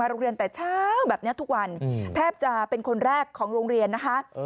โรงเรียนแต่เช้าแบบนี้ทุกวันแทบจะเป็นคนแรกของโรงเรียนนะคะ